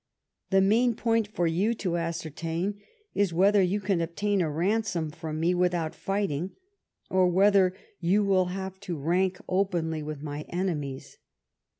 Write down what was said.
'Die main point for you to ascertain is whether you can obtain a ransom from me without fighting, or whether you will have to rank openly with my enemies.